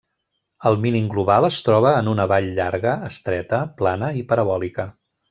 El mínim global es troba en una vall llarga, estreta, plana i parabòlica.